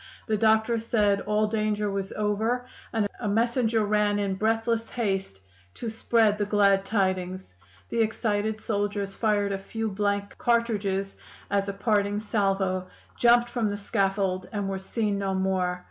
The doctor said all danger was over, and a messenger ran in breathless haste to spread the glad tidings. The excited soldiers fired a few blank cartridges as a parting salvo, jumped from the scaffold, and were seen no more.